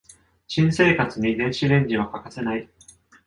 新生活に電子レンジは欠かせない